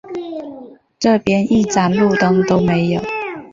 这边一盏路灯都没有